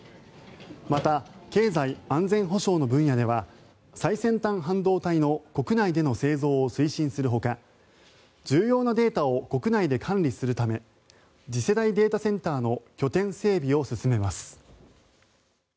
また、経済安全保障の分野では最先端半導体の国内での製造を推進するほか重要なデータを国内で管理するため次世代データセンターの拠点整備を進めます。